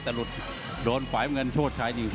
แต่หลุดโดนฝ่ายมันกันชถคล้าย